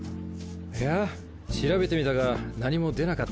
いや調べてみたが何も出なかったよ。